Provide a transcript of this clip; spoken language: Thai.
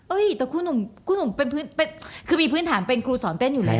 เอ้ยแต่ครูหนุ่มกลับไปคือมีพื้นฐานเป็นครูสอนเต้นอยู่เลย